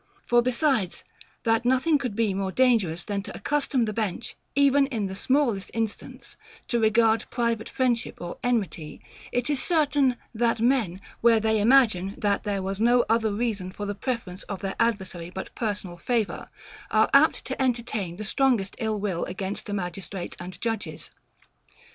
For besides, that nothing could be more dangerous than to accustom the bench, even in the smallest instance, to regard private friendship or enmity; it is certain, that men, where they imagine that there was no other reason for the preference of their adversary but personal favour, are apt to entertain the strongest ill will against the magistrates and judges.